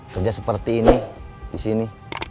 kerja seperti ini di sini